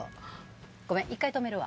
ごめん一回止めるわ。